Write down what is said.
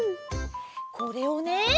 これをね